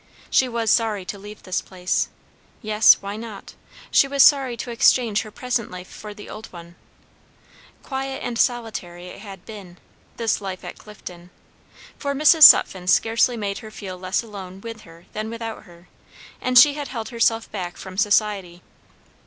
She was sorry to leave this place. Yes, why not? She was sorry to exchange her present life for the old one. Quiet and solitary it had been, this life at Clifton, for Mrs. Sutphen scarcely made her feel less alone with her than without her; and she had held herself back from society.